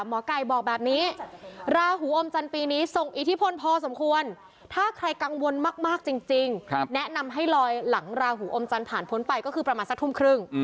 หมอไก่บอกแบบนี้ราหูอมจันทร์ปีนี้ส่งอิทธิพลพอสมควรถ้าใครกังวลมากจริงแนะนำให้ลอยหลังราหูอมจันทร์ผ่านพ้นไปก็คือประมาณสักทุ่มครึ่ง